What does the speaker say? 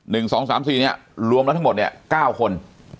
๑๒๓๔เนี่ยรวมแล้วทั้งหมดเนี่ย๙คน